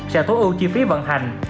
sẽ tối ưu chi phí vận hành